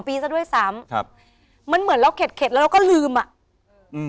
ปีซะด้วยซ้ำครับมันเหมือนเราเข็ดเข็ดแล้วเราก็ลืมอ่ะอืม